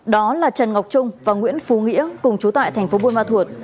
đó là trần ngọc trung và nguyễn phú nghĩa cùng chú tại tp buôn ma thuột